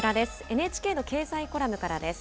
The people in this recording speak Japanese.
ＮＨＫの経済コラムからです。